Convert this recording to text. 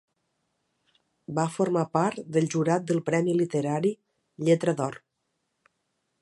Va formar part del jurat del premi literari Lletra d'Or.